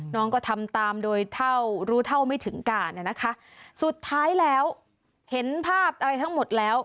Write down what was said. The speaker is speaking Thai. น้องก็ทำตามโดยเท่ารู้เท่าไม่ถึงการนะคะสุดท้ายแล้วเห็นภาพอะไรทั้งหมดแล้ว